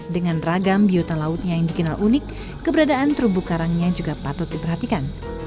dengan ragam biota lautnya yang dikenal unik keberadaan terumbu karangnya juga patut diperhatikan